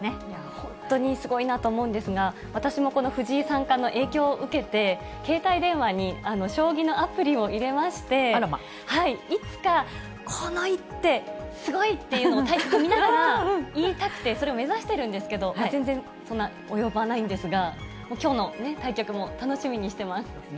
本当にすごいなと思うんですが、私もこの藤井三冠の影響を受けて、携帯電話に将棋のアプリを入れまして、いつか、この一手すごいっていうのを対局見ながら言いたくて、それを目指しているんですけど、全然そんな及ばないんですが、きょうの対局も楽しみにしています。